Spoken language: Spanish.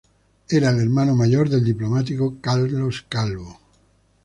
Era el hermano mayor del diplomático Carlos Calvo.